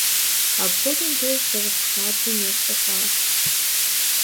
Апхуэдэм деж зэрыхъу хабзэм ещхьу хъуащ.